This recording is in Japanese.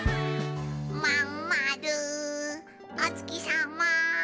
「まんまるおつきさま」